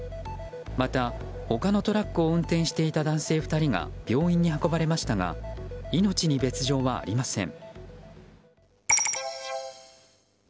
また、他のトラックを運転していた男性２人が病院に運ばれましたが命に別条はありません。